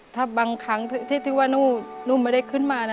ถ้าบางครั้งที่ว่าหนูไม่ได้ขึ้นมานะ